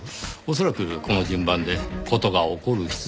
恐らくこの順番で事が起こる必然があった。